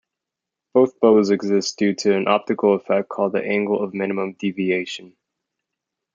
Both bows exist due to an optical effect called the angle of minimum deviation.